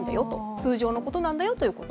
通常のことなんだよということ。